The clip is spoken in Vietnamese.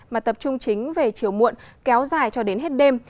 mà tập trung chính về chiều muộn kéo dài cho đến hết đêm